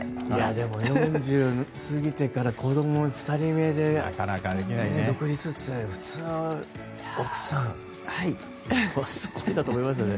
でも４０過ぎてから子ども２人目で独立して、普通奥さんすごいなと思いますよね。